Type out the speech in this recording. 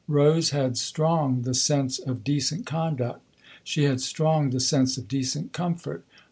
Rose had strong the sense of decent conduct, she had strong the sense of decent comfort.